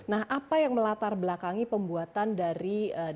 nah apa yang melatar belakangi pembuatan dari